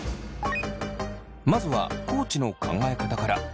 まずは地の考え方から。